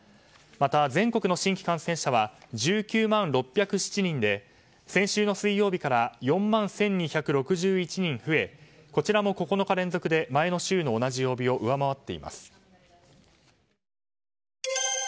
また、全国の新規感染者は１９万６０７人で先週の水曜日から４万１２６１人増えこちらも９日連続で前の週の同じ曜日を上回っています。